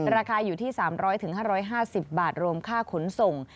ราคาอยู่ที่๓๐๐๕๕๐บาทรวมค่าขนส่ง